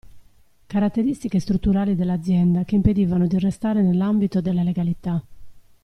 Caratteristiche strutturali dell'azienda che impedivano di restare nell'ambito della legalità.